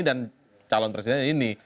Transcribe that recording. dan calon presidennya ini